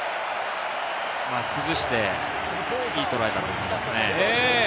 崩していいトライだと思いますね。